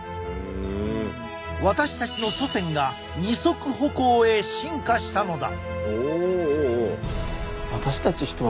私たちの祖先が２足歩行へ進化したのだ。